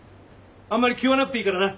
あんまり気負わなくていいからな。